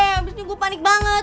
abisnya gua panik banget